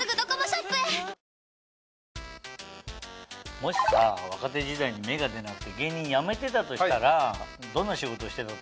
もし若手時代に芽が出なくて芸人辞めてたとしたらどんな仕事してたと思う？